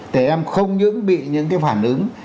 trẻ em không những bị những cái phản ứng